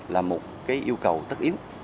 là một yêu cầu tất yếu